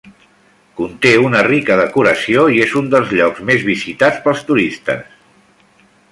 Conté una rica decoració i és un dels llocs més visitats pels turistes.